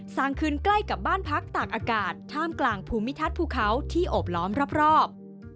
สร้างขึ้นใกล้กับบ้านพักตากอากาศท่ามกลางภูมิทัศน์ภูเขาที่โอบล้อมรอบ